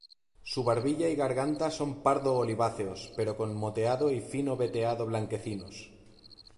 Su barbilla y garganta son pardo oliváceos, pero con moteado y fino veteado blanquecinos.